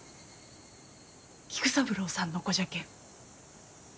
菊三郎さんの子じゃけん。